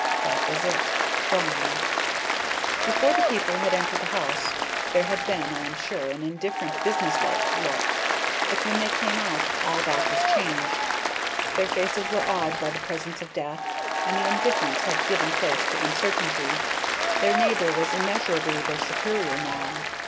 That was it, gone. Before the people had entered the house, there had been, I am sure, an indifferent, business like look, but when they came out, all that was changed; their faces were awed by the presence of death, and the indifference had given place to uncertainty. Their neighbor was immeasurably their superior now.